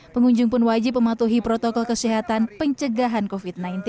pengunjung pun wajib mematuhi protokol kesehatan pencegahan covid sembilan belas